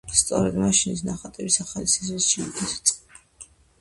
სწორედ მაშინ ის ნახატების ახალ სერიის შექმნას იწყებს.